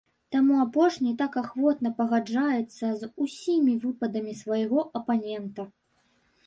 Таму апошні так ахвотна пагаджаецца з усімі выпадамі свайго апанента.